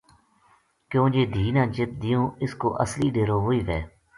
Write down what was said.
کیوں جے دھِی نا جِت دِیوں اس کو اصلی ڈیرو وُہی وھے “